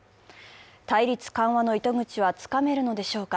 対立緩和の糸口はつかめるのでしょうか。